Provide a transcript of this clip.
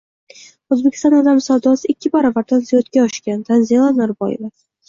O‘zbekistonda odam savdosi ikki baravardan ziyodga oshgan — Tanzila Norboyeva